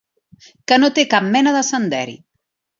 Que no té cap mena de senderi.